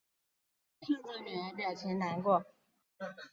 看着女儿表情难过